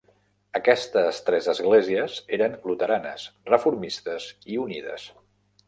Aquestes tres esglésies eren luteranes, reformistes i unides.